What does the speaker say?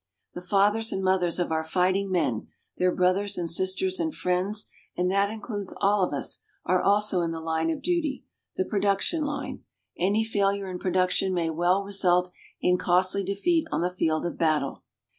The fathers and mothers of our fighting men, their brothers and sisters and friends and that includes all of us are also in the line of duty the production line. Any failure in production may well result in costly defeat on the field of battle.